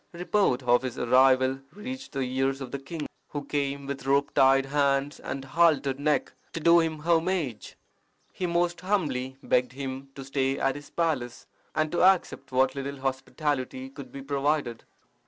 Report of his arrival reached the ears of the king, who came with rope tied hands and haltered neck to do him homage. He most humbly begged him to stay at his palace, and to accept what little hospitality could be provided.